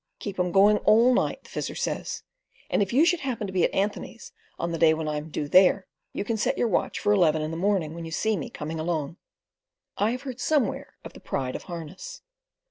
"Keep 'em going all night," the Fizzer says; "and if you should happen to be at Anthony's on the day I'm due there you can set your watch for eleven in the morning when you see me coming along." I have heard somewhere of the Pride of Harness.